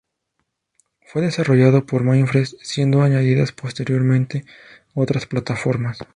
Fue desarrollado para mainframes siendo añadidas posteriormente otras plataformas.